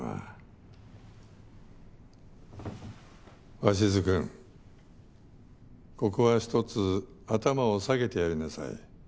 鷲津君ここはひとつ頭を下げてやりなさい。